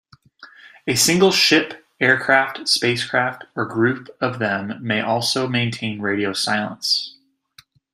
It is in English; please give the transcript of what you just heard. A single ship, aircraft, spacecraft, or group of them may also maintain radio silence.